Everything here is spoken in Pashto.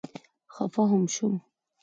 خفه هم شوم.